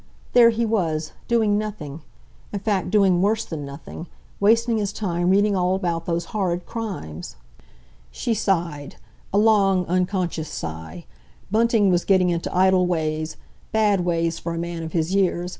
There he was, doing nothing—in fact, doing worse than nothing—wasting his time reading all about those horrid crimes. She sighed—a long, unconscious sigh. Bunting was getting into idle ways, bad ways for a man of his years.